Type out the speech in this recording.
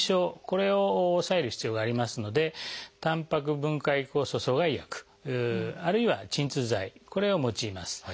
これを抑える必要がありますのでたんぱく分解酵素阻害薬あるいは鎮痛剤これを用います。